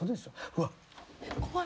うわっ。